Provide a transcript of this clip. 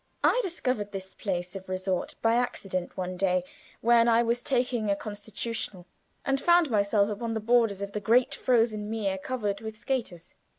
I discovered this place of resort by accident one day when I was taking a constitutional, and found myself upon the borders of the great frozen mere covered with skaters.